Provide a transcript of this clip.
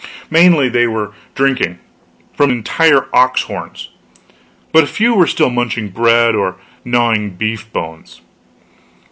Mainly they were drinking from entire ox horns; but a few were still munching bread or gnawing beef bones.